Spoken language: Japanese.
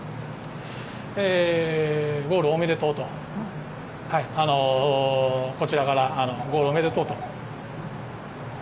ゴール、おめでとうとこちらからゴールおめでとうと。